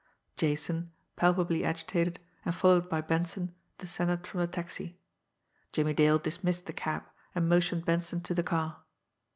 Jason, palpably agitated, and followed by Benson, descended from the taxi. Jimmie Dale dismissed the cab, and motioned Benson to the car.